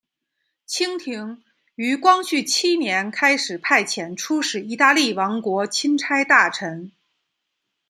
清廷于光绪七年开始派遣出使意大利王国钦差大臣。